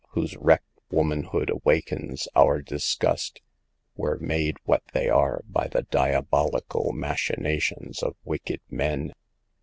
whose wrecked womanhood awakens our dis gust, were made what they are by the diabol ical machinations of wicked men